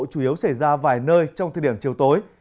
chủ yếu xảy ra vài nơi trong thời điểm chiều tối